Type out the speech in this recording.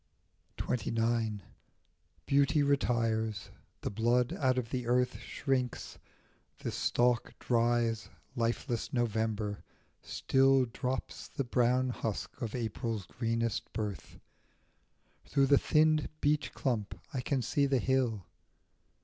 XXIX. BEAUTY retires ; the blood out of the earth Shrinks, the stalk dries, lifeless November still Drops the brown husk of April's greenest birth. Through the thinned beech clump I can see the hill.